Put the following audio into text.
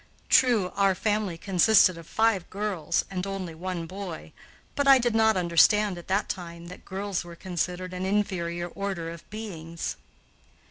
True, our family consisted of five girls and only one boy, but I did not understand at that time that girls were considered an inferior order of beings.